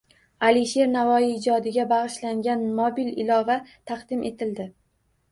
Alisher Navoiy ijodiga bag‘ishlangan mobil ilova taqdim etildi